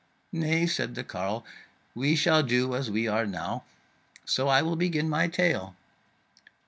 "Nay," said the carle, "we shall do as we are now. So I will begin my tale."